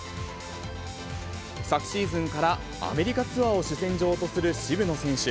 昨シーズンからアメリカツアーを主戦場とする渋野選手。